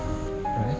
mau lihat gak